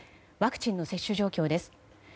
ワクチンの接種状況です。